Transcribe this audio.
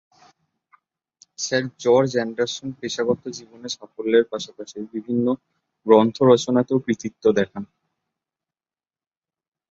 Sir George Anderson পেশাগত জীবনে সাফল্যের পাশাপাশি বিভিন্ন গ্রন্থ রচনাতেও কৃতিত্ব দেখান।